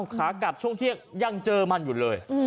ขากลับช่วงเที่ยงยังเจอมันอยู่เลย